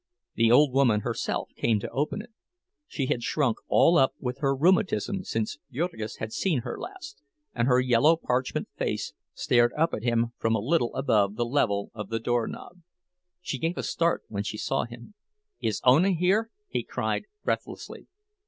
The old woman herself came to open it. She had shrunk all up with her rheumatism since Jurgis had seen her last, and her yellow parchment face stared up at him from a little above the level of the doorknob. She gave a start when she saw him. "Is Ona here?" he cried, breathlessly.